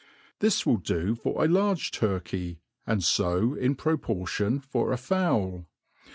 This will do for a large turkey, and fo in pro portion for a fowl.